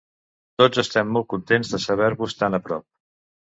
Tots estem molt contents de saber-vos tan a prop.